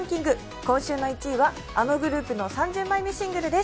今週の１位はあのグループの３０枚目シングルです。